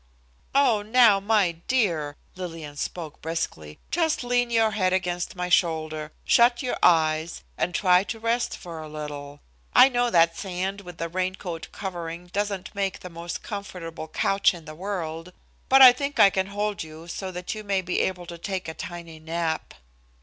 "And now my dear," Lillian spoke briskly, "just lean your head against my shoulder, shut your eyes, and try to rest for a little; I know that sand with a rain coat covering doesn't make the most comfortable couch in the world, but I think I can hold you so that you may be able to take a tiny nap."